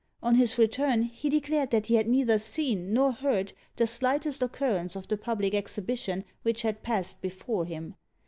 On his return he declared that he had neither seen, nor heard, the slightest occurrence of the public exhibition which had passed before him.